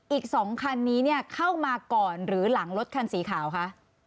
อีกสองคันนี้เข้ามาก่อนหรือหลังรถคันสีขาวค่ะ